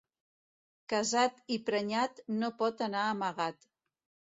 Casat i prenyat no pot anar amagat.